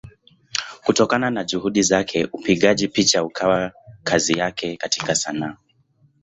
Kutokana na Juhudi zake upigaji picha ukawa kazi yake katika Sanaa.